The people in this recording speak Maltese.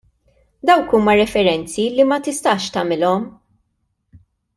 Dawk huma riferenzi li ma tistax tagħmilhom.